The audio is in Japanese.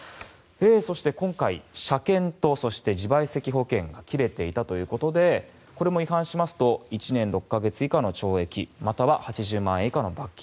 そして、今回車検と自賠責保険が切れていたということでこれも違反しますと１年６か月以下の懲役または８０万円以下の罰金。